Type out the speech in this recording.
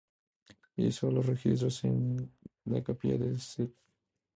Hizo los registros en a capilla de St.